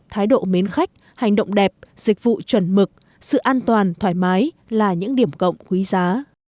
thái độ mến khách hành động đẹp dịch vụ chuẩn mực sự an toàn thoải mái là những điểm cộng quý giá